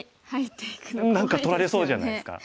何か取られそうじゃないですか。